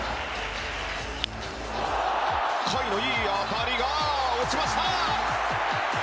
甲斐のいい当たりが落ちました！